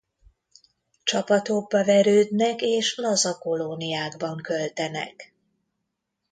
Csapatokba verődnek és laza kolóniákban költenek.